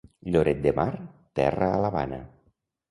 Lloret de Mar, terra a l'Havana.